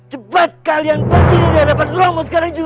cepat kalian pancing dari hadapan romo sekarang juga